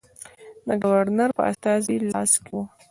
د ګورنر په استازي لاس کې وه.